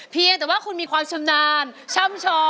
เพียงแต่ว่าคุณมีความชำนาญ